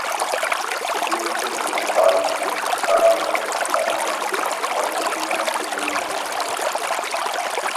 দূর থেকে বালতি কাঁধে বয়ে পানি আনতে তাঁদের সীমাহীন দুর্ভোগ পাহাতে হয়।